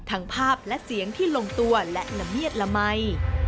ภาพและเสียงที่ลงตัวและละเมียดละมัย